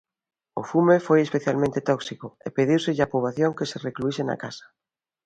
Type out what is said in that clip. O fume foi especialmente tóxico e pedíuselle á poboación que se recluíse na casa.